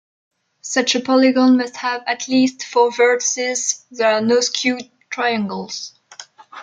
Such a polygon must have at least four vertices; there are no skew triangles.